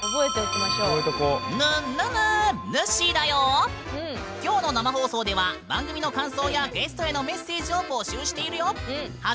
きょうの生放送では番組の感想やゲストへのメッセージを募集しているよ。